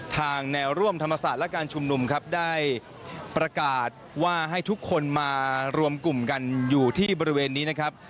แนวร่วมธรรมศาสตร์และการชุมนุมครับได้ประกาศว่าให้ทุกคนมารวมกลุ่มกันอยู่ที่บริเวณนี้นะครับ